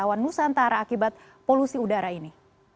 bagaimana dengan jumlah wisatawan nusantara akibat polusi udara ini